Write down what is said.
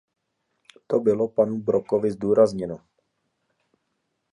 To bylo panu Brokovi zdůrazněno.